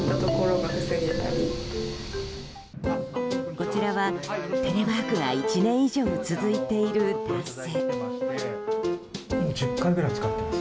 こちらは、テレワークが１年以上続いている男性。